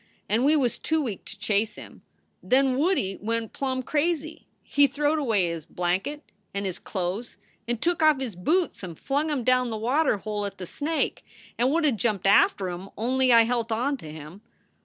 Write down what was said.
And we was too weak to chase him. Then Woodie went plumb crazy. He thro wed away his blankit and his clo es and took off his boots and flung em down the water hole at the snake, and would ve jumped after em, only I helt on to him.